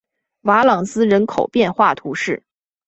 瓦朗斯人口变化图示